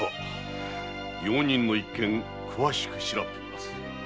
用人の一件詳しく調べてみます。